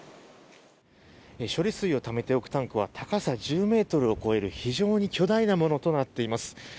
処理水をためておくタンクは、高さ１０メートルを超える非常に巨大なものとなっています。